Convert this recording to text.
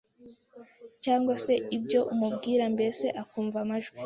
cyangwa se ibyo umubwira mbese akumva amajwi